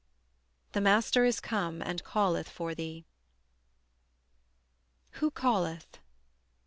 "THE MASTER IS COME, AND CALLETH FOR THEE." Who calleth?